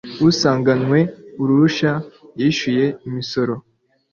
usanganywe uruhushya yishyuye imisoro